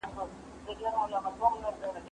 زه سبزېجات تيار کړي دي!